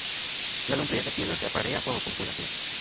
La lombriz de tierra se aparea por copulación.